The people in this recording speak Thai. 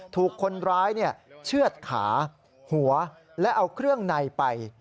ถูกคนร้ายเชื่อดขาหัวและเอาเครื่องในไป